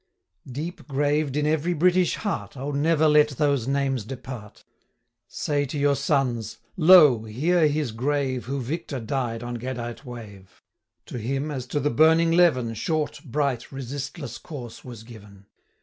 Deep graved in every British heart, O never let those names depart! 70 Say to your sons, Lo, here his grave, Who victor died on Gadite wave; To him, as to the burning levin, Short, bright, resistless course was given.